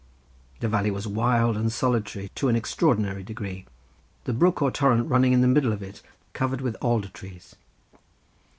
The valley was wild and solitary to an extraordinary degree, the brook or torrent running in the middle of it covered with alder trees.